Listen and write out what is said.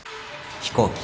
飛行機。